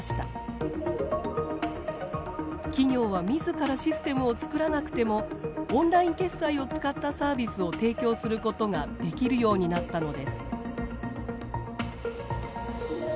企業は自らシステムを作らなくてもオンライン決済を使ったサービスを提供することができるようになったのです。